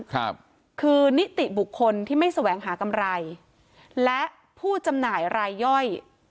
ครับคือนิติบุคคลที่ไม่แสวงหากำไรและผู้จำหน่ายรายย่อย